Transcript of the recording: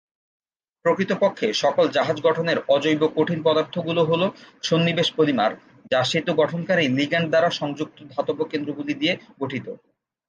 প্রকৃতপক্ষে, সকল সহজ গঠনের অজৈব কঠিন পদার্থগুলো হল সন্নিবেশ পলিমার, যা সেতু গঠনকারী লিগ্যান্ড দ্বারা সংযুক্ত ধাতব কেন্দ্রগুলি দিয়ে গঠিত।